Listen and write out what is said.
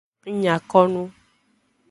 Ng nya ko nu.